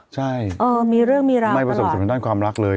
ใช่ไม่ประสบสมภัณฑ์ความรักเลย